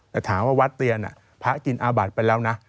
แต่ถามว่าวัดเตียนพระกินอาบัติไปแล้วนะ